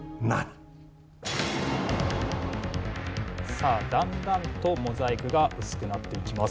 さあだんだんとモザイクが薄くなっていきます。